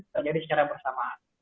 terjadi secara bersamaan